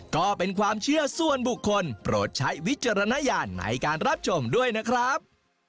ก็เป็นความเชื่อส่วนบุคคลโปรดใช้วิจารณญาณในการรับชมด้วยนะครับ